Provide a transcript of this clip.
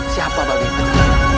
siapa babi itu